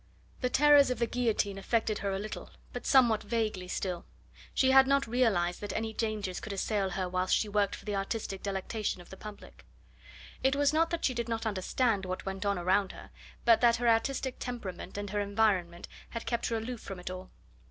The terrors of the guillotine affected her a little, but somewhat vaguely still. She had not realised that any dangers could assail her whilst she worked for the artistic delectation of the public. It was not that she did not understand what went on around her, but that her artistic temperament and her environment had kept her aloof from it all.